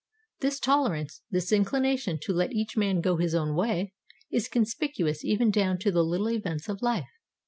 This tolerance, this inclination to let each man go his own way, is conspicuous even down to the little events of life.